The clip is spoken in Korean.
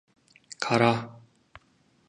가라.